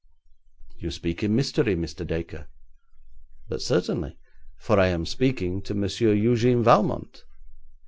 'You speak in mystery, Mr. Dacre.' 'But certainly, for I am speaking to Monsieur Eugène Valmont.'